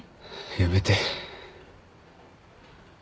やめて。